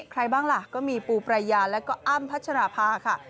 ใครบ้างล่ะก็มีปูปรายาแล้วก็อ้ำพัชราภาค่ะ